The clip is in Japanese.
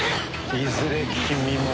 いずれ君も。